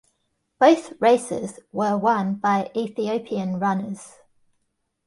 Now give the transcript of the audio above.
Both races were won by Ethopian runners.